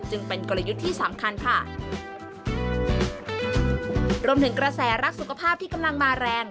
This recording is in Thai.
จึงเป็นกลยุทธ์ที่สำคัญค่ะรวมถึงกระแสรักสุขภาพที่กำลังมาแรง